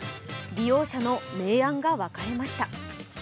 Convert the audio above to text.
利用者の明暗が分かれました。